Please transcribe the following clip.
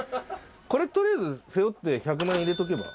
これ取りあえず背負って１００万円入れとけば？